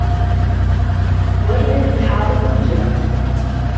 وإذا البحار فجرت